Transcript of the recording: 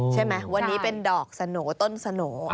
ใช่ไหมวันนี้เป็นดอกสโหน่ต้นสโหน่